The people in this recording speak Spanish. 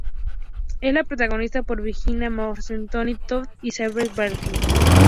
Es protagonizada por Virginia Madsen, Tony Todd y Xander Berkeley.